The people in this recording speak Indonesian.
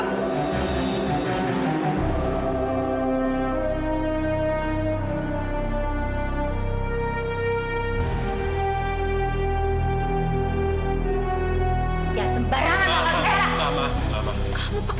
kita bisa impulse paranya buat saya lepas